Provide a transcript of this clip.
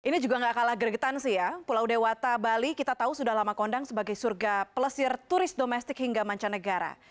ini juga gak kalah gregetan sih ya pulau dewata bali kita tahu sudah lama kondang sebagai surga pelesir turis domestik hingga mancanegara